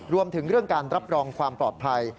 รวมถึงเรื่องการรับรองความปลอดภัย